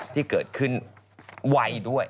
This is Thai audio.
ที่เกิดขึ้นไวด้วย